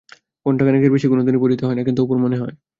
ঘণ্টা-খানেকের বেশি কোনোদিনই পড়িতে হয় না, কিন্তু অপুর মনে হয়।